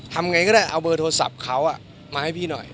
ทำไงก็ได้เอาเบอร์โทรศัพท์เขามาให้พี่หน่อย